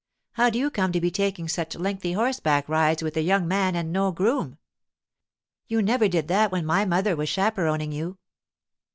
How do you come to be taking such lengthy horseback rides with a young man and no groom? You never did that when my mother was chaperoning you.